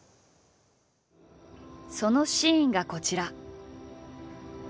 そのシーンがこちら。